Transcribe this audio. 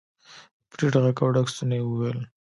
په ټيټ غږ او ډک ستوني يې وويل.